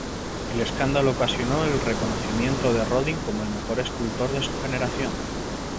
El escándalo ocasionó el reconocimiento de Rodin como el mejor escultor de su generación.